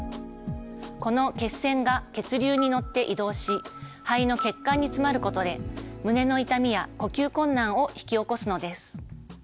この血栓が血流に乗って移動し肺の血管に詰まることで胸の痛みや呼吸困難を引き起こすのです。